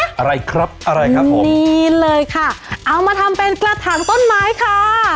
อะไรครับอะไรครับผมจีนเลยค่ะเอามาทำเป็นกระถางต้นไม้ค่ะ